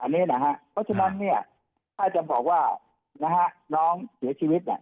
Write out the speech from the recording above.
เพราะฉะนั้นเนี่ยถ้าจะบอกว่าน้องเสียชีวิตเนี่ย